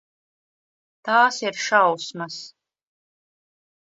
Tās ir šausmas.